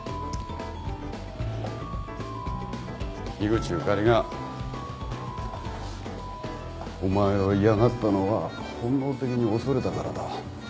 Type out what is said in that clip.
樋口ゆかりがお前を嫌がったのは本能的に恐れたからだ。